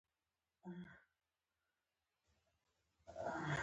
کلتور د افغانستان د فرهنګي فستیوالونو یوه ډېره مهمه او بنسټیزه برخه ده.